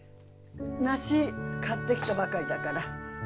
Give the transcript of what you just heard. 梨買ってきたばかりだから。